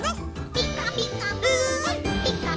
「ピカピカブ！ピカピカブ！